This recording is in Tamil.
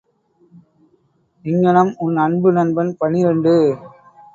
இங்ஙனம், உன் அன்பு நண்பன் பனிரண்டு .